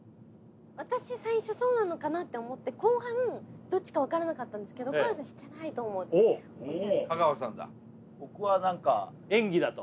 私最初そうなのかなって思って後半どっちか分からなかったんですけど香川さんしてないと思うって香川さんだ僕は何か演技だと？